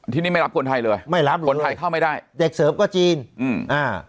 ที่นี่ไม่รับคนไทยเลยไม่รับเลยคนไทยเข้าไม่ได้เด็กเสริมก็จีนอืมอ่า